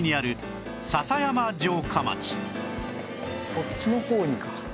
そっちの包囲か。